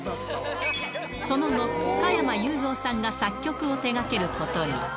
その後、加山雄三さんが作曲を手がけることに。